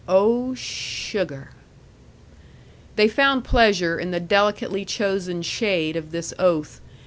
Oh, sugar!" They found pleasure in the delicately chosen shade of this oath.